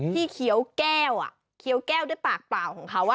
เคี้ยวแก้วเคี้ยวแก้วด้วยปากเปล่าของเขา